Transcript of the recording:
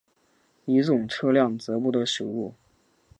乙种车辆则不得驶入。